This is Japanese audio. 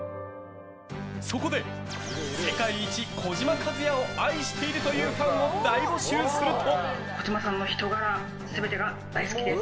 そこで、世界一児嶋一哉を愛しているというファンを大募集すると。